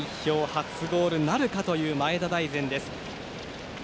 初ゴールなるかという前田大然です。